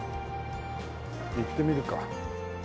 行ってみるか。